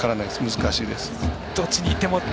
難しいです。